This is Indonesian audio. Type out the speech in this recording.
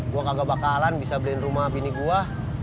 gue kagak bakalan bisa beliin rumah bini gue